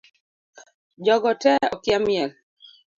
Jogote okia miel